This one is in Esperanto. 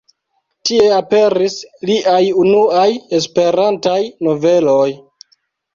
Tie aperis liaj unuaj Esperantaj noveloj.